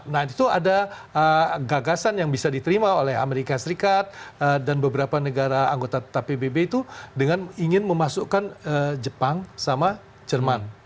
nah itu ada gagasan yang bisa diterima oleh amerika serikat dan beberapa negara anggota tetap pbb itu dengan ingin memasukkan jepang sama jerman